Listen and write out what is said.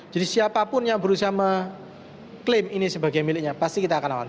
jadi siapapun yang berusaha mengklaim ini sebagai miliknya pasti kita akan lawan